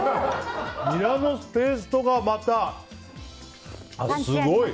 ニラのペーストがまた、すごい。